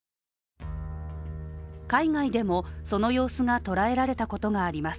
海外でもその様子が捉えられたことがあります